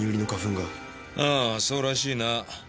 あぁそうらしいな。